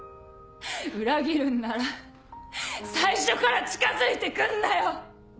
裏切るんなら最初から近づいて来んなよ！